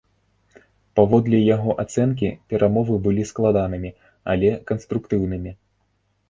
Паводле яго ацэнкі, перамовы былі складанымі, але канструктыўнымі.